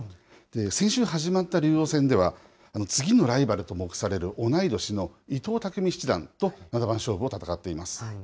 先週始まった竜王戦では、次のライバルと目される同い年の伊藤匠七段と七番勝負を戦っています。